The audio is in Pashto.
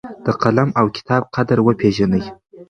د قلم او کتاب قدر وپېژنئ.